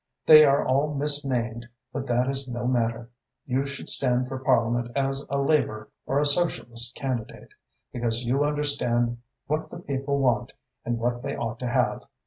They are all misnamed but that is no matter. You should stand for Parliament as a Labour or a Socialist candidate, because you understand what the people want and what they ought to have.